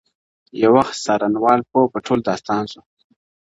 خو یو وخت څارنوال پوه په ټول داستان سو,